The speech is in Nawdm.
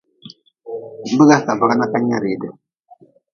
Biga ka bagi na ka nyea ridi.